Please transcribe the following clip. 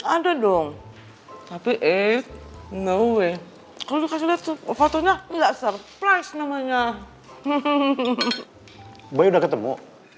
ada dong tapi eh no way kalau dikasih lihat fotonya tidak surprise namanya hehehe gue udah ketemu